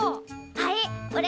はいおれ